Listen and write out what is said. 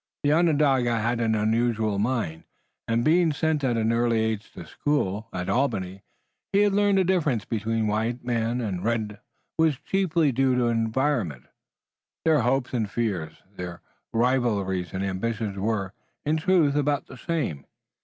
The Onondaga had an unusual mind and being sent at an early age to school at Albany he had learned that the difference between white man and red was due chiefly to environment. Their hopes and fears, their rivalries and ambitions were, in truth, about the same.